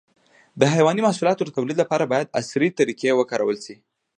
د حيواني محصولاتو د تولید لپاره باید عصري طریقې وکارول شي.